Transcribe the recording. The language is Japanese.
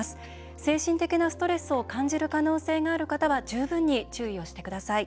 精神的なストレスを感じる可能性がある方は十分に注意をしてください。